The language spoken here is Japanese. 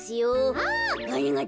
あありがとね。